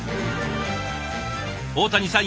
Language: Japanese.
大谷さん